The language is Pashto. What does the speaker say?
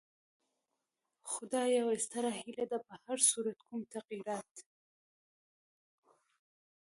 خو دا یوه ستره هیله ده، په هر صورت کوم تغیرات.